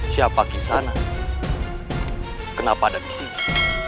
siapa kesana kenapa ada disini